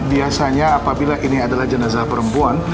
biasanya apabila ini adalah jenazah perempuan